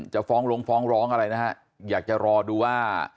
ฟ้องลงฟ้องร้องอะไรนะฮะอยากจะรอดูว่า